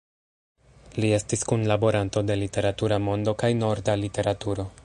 Li estis kunlaboranto de "Literatura Mondo" kaj "Norda Literaturo.